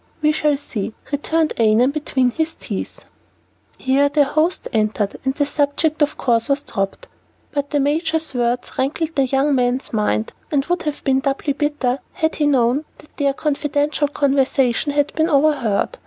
"We shall see," returned Annon between his teeth. Here their host entered, and the subject of course was dropped. But the major's words rankled in the young man's mind, and would have been doubly bitter had he known that their confidential conversation had been overheard.